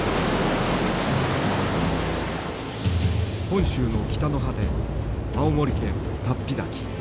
本州の北の果て青森県竜飛崎。